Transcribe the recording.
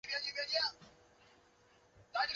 自旋玻璃是磁性合金材料的一种亚稳定的状态。